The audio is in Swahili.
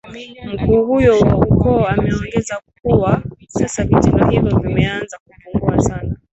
Mkuu huyo wa ukoo ameongeza kuwa kwa sasa vitendo hivyo vimeanza kupungua sana